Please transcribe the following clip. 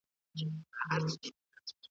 نثر مسجع د ترتیب او نظم ښکارندويي کوي.